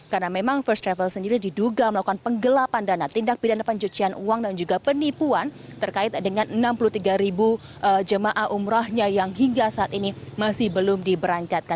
karena memang first travel sendiri diduga melakukan penggelapan dana tindak bidang pencucian uang dan juga penipuan terkait dengan enam puluh tiga jemaah umrahnya yang hingga saat ini masih belum diberangkatkan